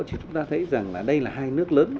chứ chúng ta thấy rằng là đây là hai nước lớn